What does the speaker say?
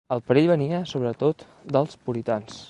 El perill venia sobre tot dels puritans.